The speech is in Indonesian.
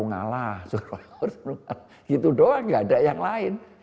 nggak ada yang lain